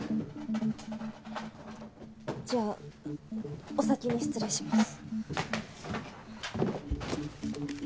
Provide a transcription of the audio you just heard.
じゃあお先に失礼します。